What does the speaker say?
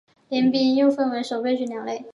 联兵旅又区分为守备旅两类。